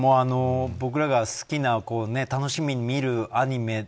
僕らが好きな楽しみに見るアニメ